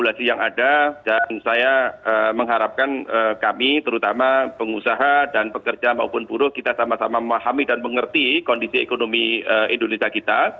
regulasi yang ada dan saya mengharapkan kami terutama pengusaha dan pekerja maupun buruh kita sama sama memahami dan mengerti kondisi ekonomi indonesia kita